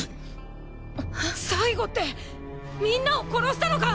最後ってみんなを殺したのか！？